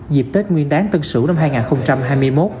dịp tết nguyên đáng tân sửu năm hai nghìn hai mươi một